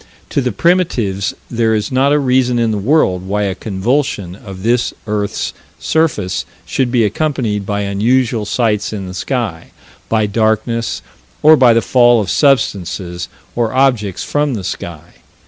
To the primitives there is not a reason in the world why a convulsion of this earth's surface should be accompanied by unusual sights in the sky, by darkness, or by the fall of substances or objects from the sky.